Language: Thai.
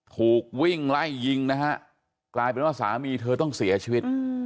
ถูกวิ่งไล่ยิงนะฮะกลายเป็นว่าสามีเธอต้องเสียชีวิต